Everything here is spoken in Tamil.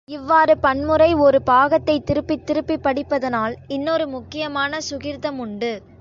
இவ்வாறு பன்முறை ஒரு பாகத்தைத் திருப்பித் திருப்பிப் படிப்பதனால் இன்னொரு முக்கியமான சுகிர்தமுண்டு.